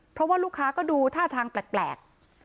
เพราะว่าลูกค้าก็ดูท่าทางแปลก